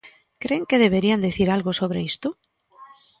¿Cren que deberían dicir algo sobre isto?